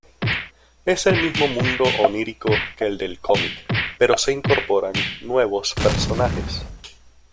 Es el mismo mundo onírico que el del cómic, pero se incorporan nuevos personajes.